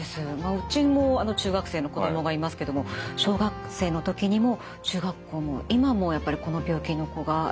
うちも中学生の子供がいますけども小学生の時にも中学校も今もやっぱりこの病気の子がいますね。